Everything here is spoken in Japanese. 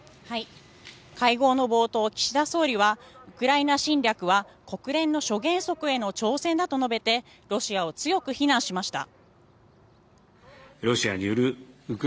会合の冒頭、岸田総理はウクライナ侵略は国連の諸原則への挑戦だと述べてロシアを強く非難しました。